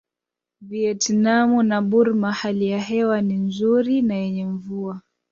Vietnam na Burma hali ya hewa ni nzuri na yenye mvua